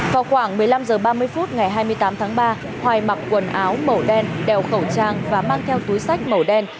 vào khoảng một mươi năm h ba mươi phút ngày hai mươi tám tháng ba hoài mặc quần áo màu đen đeo khẩu trang và mang theo túi sách màu đen